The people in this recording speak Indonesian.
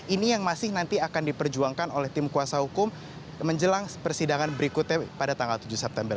ini yang masih nanti akan diperjuangkan oleh tim kuasa hukum menjelang persidangan berikutnya pada tanggal tujuh september